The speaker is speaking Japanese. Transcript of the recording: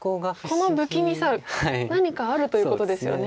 この不気味さ何かあるということですよね。